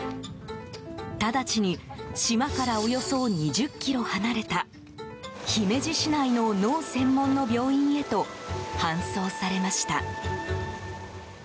ただちに島から、およそ２０ｋｍ離れた姫路市内の脳専門の病院へと搬送されました。